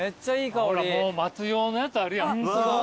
ほらもう待つ用のやつあるやん。